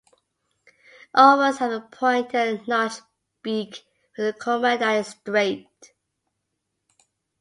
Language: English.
Ioras have a pointed and notched beak with a culmen that is straight.